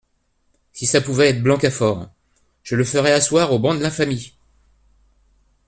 Si ça pouvait être Blancafort ! je le ferais asseoir au banc de l’infamie.